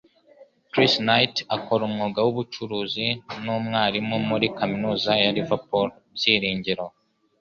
Chris Knight: akora umwuga w'ubucuzi n'umwarimu muri kaminuza ya Liverpool Byiringiro.